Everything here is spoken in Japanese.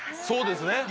そうですね。